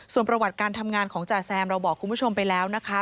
ส่วนประวัติการทำงานของจ่าแซมเราบอกคุณผู้ชมไปแล้วนะคะ